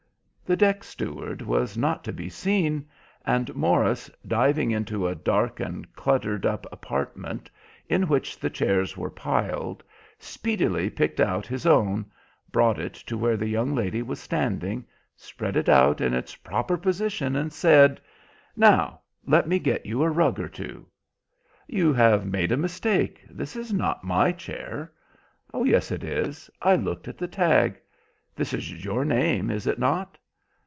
The deck steward was not to be seen, and Morris, diving into a dark and cluttered up apartment, in which the chairs were piled, speedily picked out his own, brought it to where the young lady was standing, spread it out in its proper position, and said— "Now let me get you a rug or two." "You have made a mistake. That is not my chair." "Oh yes, it is. I looked at the tag. This is your name, is it not?"